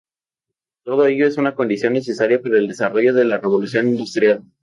Todo ello es una condición necesaria para el desarrollo de la revolución industrial.